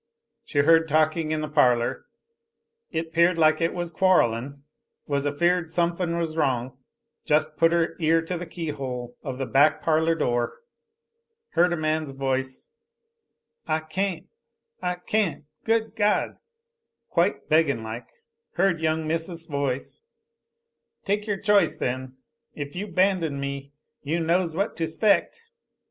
She heard talking in the parlor, 'peared like it was quarrelin'. Was afeared sumfin' was wrong: Just put her ear to the keyhole of the back parlor door. Heard a man's voice, "I can't I can't, Good God," quite beggin' like. Heard young Miss' voice, "Take your choice, then. If you 'bandon me, you knows what to 'spect."